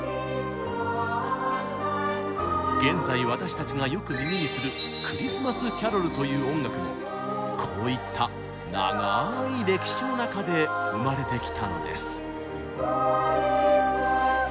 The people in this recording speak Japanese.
現在私たちがよく耳にする「クリスマスキャロル」という音楽もこういった長い歴史の中で生まれてきたのです。